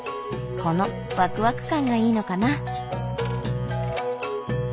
このワクワク感がいいのかな。